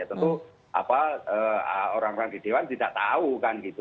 tentu orang orang di dewan tidak tahu kan gitu